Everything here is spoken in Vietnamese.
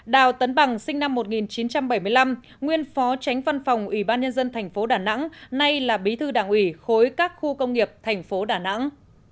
ba đào tấn bằng sinh năm một nghìn chín trăm bảy mươi năm nguyên phó tránh văn phòng ủy ban nhân dân tp đà nẵng nay là bí thư đảng ủy khối các khu công nghiệp tp đà nẵng